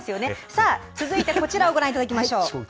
さあ、続いてこちらをご覧いただきましょう。